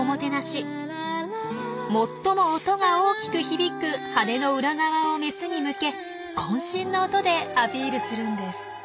最も音が大きく響く翅の裏側をメスに向けこん身の音でアピールするんです。